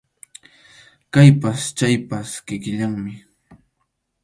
Kaypas chaypas kikillanmi.